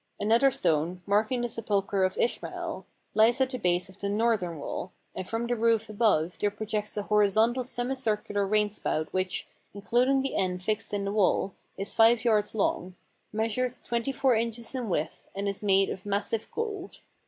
Another stone, marking the sepulcher of Ishmael, lies at the base of the northern wall, and from the roof above there pro 498 THE SQUARE HOUSE, OR KABAH jects a horizontal semicircular rainspout which, includ ing the end fixed in the wall, is five yards long, measures twenty four inches in width, and is made of massive gold.